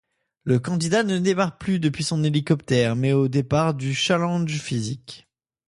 Le candidat ne démarre plus depuis son hélicoptère mais au départ du challenge physique.